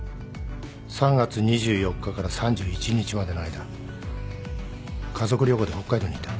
３月２４日から３１日までの間家族旅行で北海道にいた。